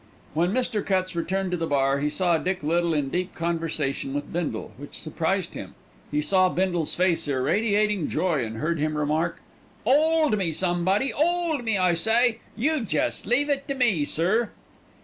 When Mr. Cutts returned to the bar he saw Dick Little in deep conversation with Bindle, which surprised him. He saw Bindle's face irradiating joy and heard him remark: "'Old me, somebody, 'old me, I say! You jest leave it to me, sir."